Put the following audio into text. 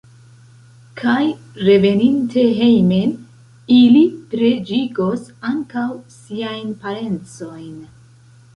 Kaj reveninte hejmen ili preĝigos ankaŭ siajn parencojn.